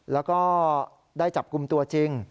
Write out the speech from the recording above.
แล้วก็ได้จับกลุ่มตัวจริง